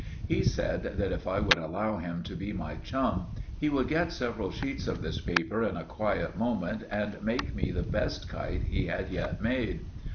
He said that if I would allow him to be my chum, he would get several sheets of this paper in a quiet moment, and make me the best kite he had yet made.